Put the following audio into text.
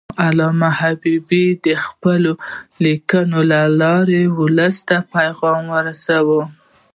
علامه حبیبي د خپلو لیکنو له لارې ولس ته پیغام ورساوه.